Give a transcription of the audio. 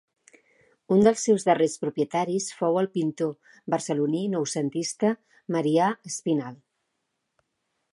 Un dels seus darrers propietaris fou el pintor barceloní noucentista Marià Espinal.